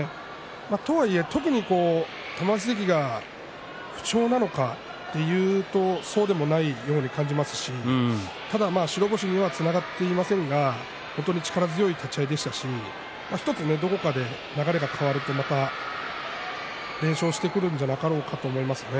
とはいえ、特に玉鷲関が不調なのかというとそうでもないように感じますしただ白星にはつながっていませんが本当に力強い立ち合いでしたし１つどこかで流れが変わるとまた連勝をしてくるんじゃなかろうかと思いますね。